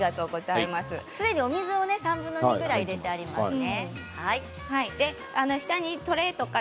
すでに水を３分の２ぐらい入れてありますね。